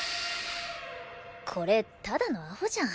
これただのアホじゃん。